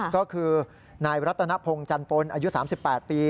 ก็คือนายรัตนพงศ์จันปนอายุ๓๘ปี